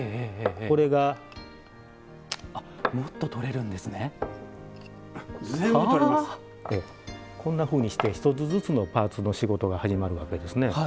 これがこんなふうにして１つずつのパーツの仕事が始まるわけですね。